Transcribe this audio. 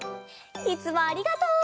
いつもありがとう！